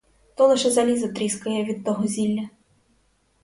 То лише залізо тріскає від того зілля.